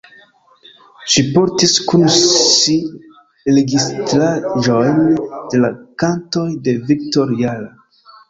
Ŝi portis kun si registraĵojn de la kantoj de Victor Jara.